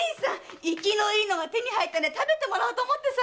生きのいいのが手に入ったんで食べてもらおうと思ってさ！